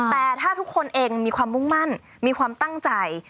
แต่ถ้าทุกคนเองมีความมุ่งมั่นมีความตั้งใจ